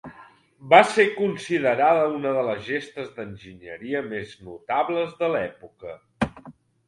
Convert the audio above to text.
Va ser considerada una de les gestes d'enginyeria més notables de l'època.